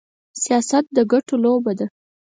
سياست د ګټو لوبه ده.